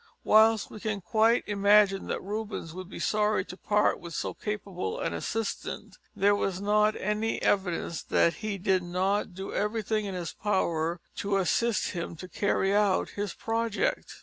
Whilst we can quite imagine that Rubens would be sorry to part with so capable an assistant, there was not any evidence that he did not do everything in his power to assist him to carry out his project.